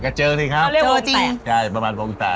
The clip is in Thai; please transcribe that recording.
กับเจ้ก่อนที่นี่ครับ